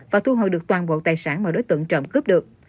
và thu hồi được toàn bộ tài sản mà đối tượng trộm cướp được